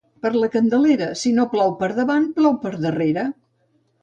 Per la Candelera, si no plou per davant plou, per darrere.